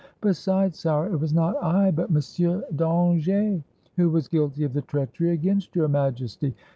Besides, sire, it was not I, but Monsieur d'Angers, who was guilty of the treachery against Your Majesty.